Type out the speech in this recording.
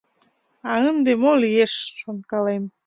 Ынде мо лиеш, шонкалем.